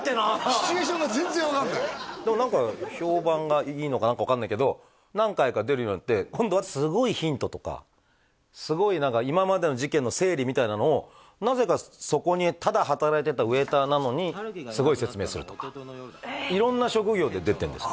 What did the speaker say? シチュエーションが全然分かんないでも何か評判がいいのか何か分かんないけど何回か出るようになって今度はすごいヒントとかすごい何か今までの事件の整理みたいなのをなぜかそこにただ働いてたウエイターなのにすごい説明するとか色んな職業で出てるんです